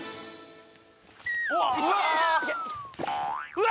うわ！